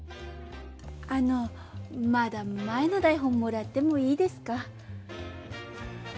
あのまだ前の台本もらってもいいですか？